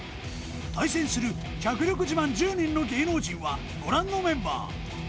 対戦する脚力自慢１０人の芸能人はご覧のメンバー